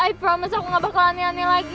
i promise aku gak bakalan nyane nyane lagi